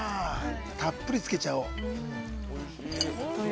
たっぷりつけちゃおう。